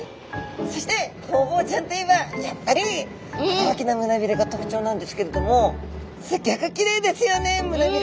そしてホウボウちゃんといえばやっぱりこの大きな胸びれが特徴なんですけれどもすっギョくきれいですよね胸びれが。